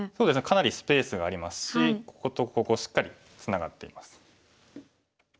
かなりスペースがありますしこことここしっかりツナがっています。